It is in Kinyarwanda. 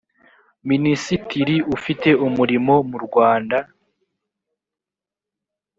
minisitiri ufite umurimo murwanda